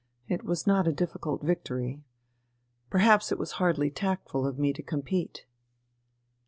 It was not a difficult victory. Perhaps it was hardly tactful of me to compete."